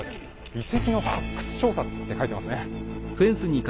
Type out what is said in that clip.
「遺跡の発掘調査」って書いてますね。